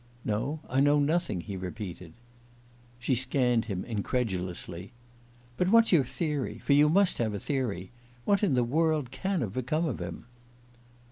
"No. I know nothing," he repeated. She scanned him incredulously. "But what's your theory for you must have a theory? What in the world can have become of him?"